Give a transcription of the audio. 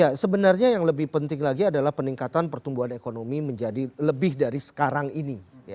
ya sebenarnya yang lebih penting lagi adalah peningkatan pertumbuhan ekonomi menjadi lebih dari sekarang ini